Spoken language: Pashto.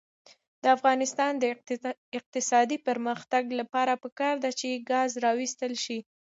د افغانستان د اقتصادي پرمختګ لپاره پکار ده چې ګاز راوویستل شي.